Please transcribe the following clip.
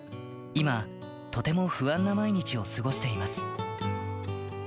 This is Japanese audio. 今、とても不安な毎日を過ごしています。